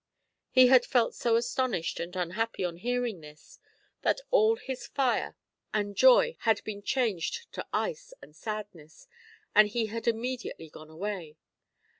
He had felt so astonished and unhappy on hearing this that all his fire and 1 5 2 THE HEPTAMERON. joy had been changed to ice and sadness, and he had immediately gone away.